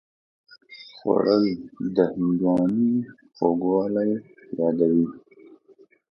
خوړل د هندوانې خوږوالی یادوي